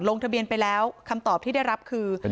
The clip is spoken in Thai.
ลงทะเบียนไปแล้วคำตอบที่ได้รับคือ